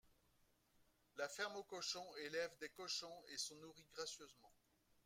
La ferme aux cochons élèvent des cochons et sont nourris gracieusement